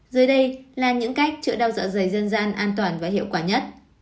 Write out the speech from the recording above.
dưới đây là những cách chữa đau dạ dày dân gian an toàn và hiệu quả nhất